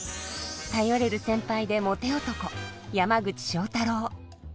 頼れる先輩でモテ男山口正太郎。